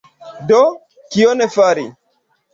Do, kion fari?